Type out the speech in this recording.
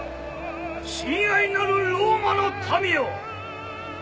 親愛なるローマの民よ